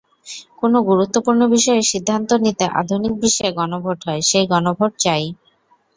কোনো গুরুত্বপূর্ণ বিষয়ে সিদ্ধান্ত নিতে আধুনিক বিশ্বে গণভোট হয়, সেই গণভোট চাই।